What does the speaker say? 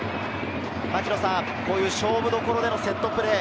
槙野さん、こういう勝負どころでのセットプレー。